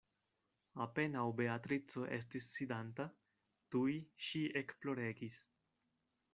Apenaŭ Beatrico estis sidanta, tuj ŝi ekploregis.